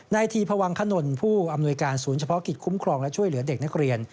ทีพวังขนลผู้อำนวยการศูนย์เฉพาะกิจคุ้มครองและช่วยเหลือเด็กนักเรียน